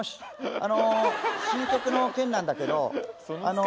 あの新曲の件なんだけどあの。